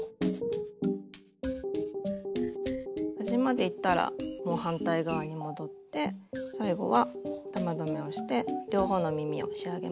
端までいったらもう反対側に戻って最後は玉留めをして両方の耳を仕上げます。